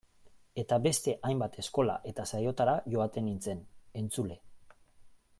Eta beste hainbat eskola eta saiotara joaten nintzen, entzule.